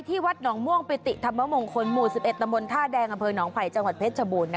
วัดหนองม่วงปิติธรรมมงคลหมู่๑๑ตำบลท่าแดงอำเภอหนองไผ่จังหวัดเพชรชบูรณ์